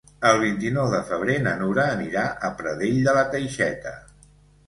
El vint-i-nou de febrer na Nura anirà a Pradell de la Teixeta.